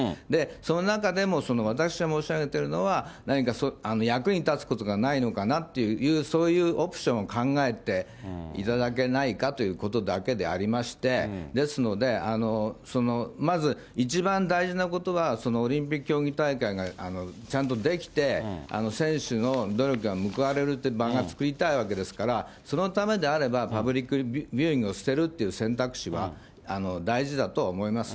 その中でも、私が申し上げてるのは、何か役に立つことがないのかなっていう、そういうオプションを考えていただけないかということだけでありまして、ですので、まず一番大事なことは、オリンピック競技大会がちゃんとできて、選手の努力が報われるという場が作りたいわけですから、そのためであれば、パブリックビューイングを捨てるという選択肢は、大事だとは思います。